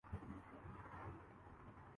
مشرق وسطی میں اضطراب ہے اور ہم اس کی زد میں ہیں۔